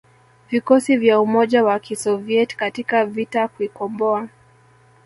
vikosi vya umoja wa Kisoviet katika vita kuikomboa